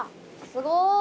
すごーい。